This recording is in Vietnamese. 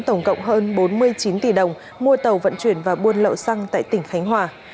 tổng cộng hơn bốn mươi chín tỷ đồng mua tàu vận chuyển và buôn lậu xăng tại tỉnh khánh hòa